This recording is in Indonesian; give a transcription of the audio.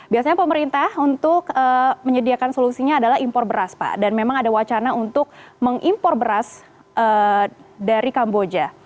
biasanya pemerintah untuk menyediakan solusinya adalah impor beras pak dan memang ada wacana untuk mengimpor beras dari kamboja